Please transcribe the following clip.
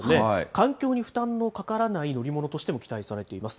環境に負担のかからない乗り物としても期待されています。